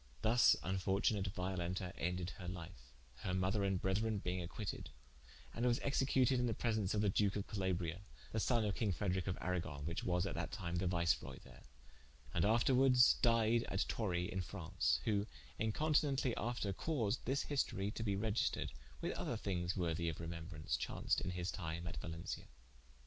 Thus infortunate Violenta ended her life, her mother and brethren being acquited: and was executed in the presence of the duke of Calabria, the sonne of king Frederic of Aragon: which was that time the Viceroy there, and afterwardes died at Torry in Fraunce: who incontinently after caused this historie to be registred, with other thinges worthy of remembraunce, chaunced in his time at Valencia.